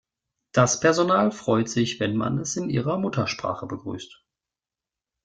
Das Personal freut sich, wenn man es in ihrer Muttersprache begrüßt.